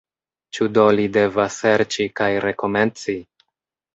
Ĉu do li devas serĉi kaj rekomenci?